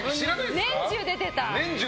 年中出てた。